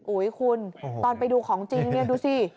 อุ้ยคุณตอนไปดูของจริงดูสิ